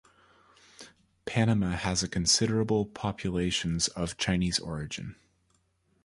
Panama has a considerable populations of Chinese origin.